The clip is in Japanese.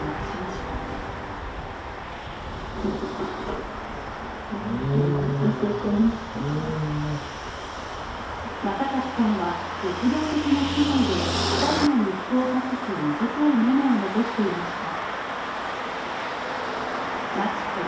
色あせていますけれども正勝さんは絶望的な機内で２人の息子を託す短いメモを残していました。